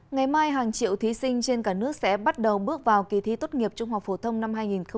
ngày mai hàng triệu thí sinh trên cả nước sẽ bắt đầu bước vào kỳ thi tốt nghiệp trung học phổ thông năm hai nghìn hai mươi